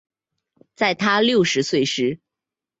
在她六十岁时